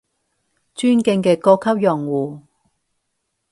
尊敬嘅高級用戶